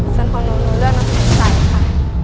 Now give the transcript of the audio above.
ส่วนของหนูหนูเลือกน้ำแข็งใสค่ะ